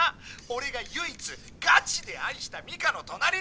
俺が唯一がちで愛したミカの隣に！